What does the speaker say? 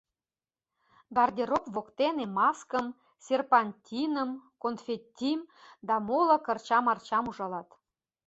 Гардероб воктене маскым, серпантиным, конфеттим да моло кырча-марчам ужалат.